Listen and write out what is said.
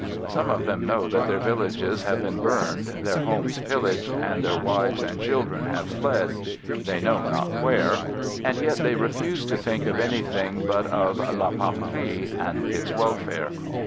Some of them know that their villages have been burned, their homes pillaged, that their wives and children have fled — they know not where — and yet they refuse to think of anything but of "la patrie," and its welfare.